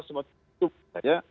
seperti itu saja